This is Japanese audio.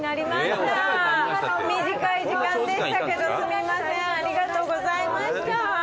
短い時間でしたけどすみませんありがとうございました。